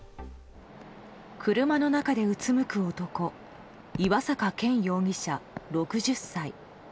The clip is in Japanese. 車の中でうつむく男岩坂健容疑者、６０歳。